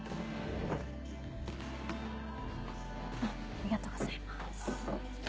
ありがとうございます。